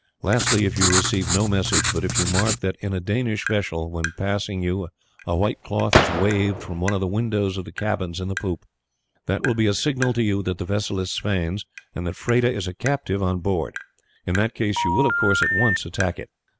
"Lastly, if you receive no message, but if you mark that in a Danish vessel when passing you a white cloth is waved from one of the windows of the cabins in the poop, that will be a signal to you that the vessel is Sweyn's, and that Freda is a captive on board. In that case you will of course at once attack it.